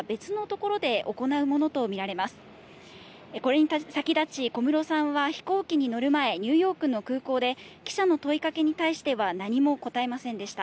これに先立ち、小室さんは飛行機に乗る前、ニューヨークの空港で、記者の問いかけに対しては何も応えませんでした。